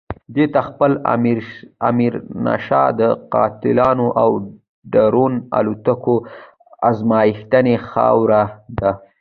دته خېل او ميرانشاه د قتلونو او ډرون الوتکو ازمايښتي خاوره ده.